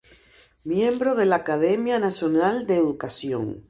Miembro de la Academia Nacional de Educación.